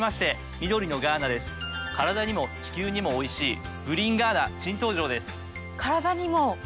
カラダにも地球にもおいしいグリーンガーナ新登場です。